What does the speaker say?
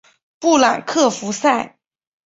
布朗克福塞。